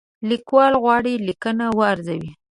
لیکوال غواړي لیکنه وارزوي.